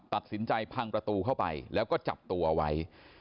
ตัดสินใจพังประตูเข้าไปแล้วก็จับตัวไว้